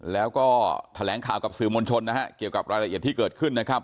แล้วก็แถลงข่าวกับสื่อมวลชนนะฮะเกี่ยวกับรายละเอียดที่เกิดขึ้นนะครับ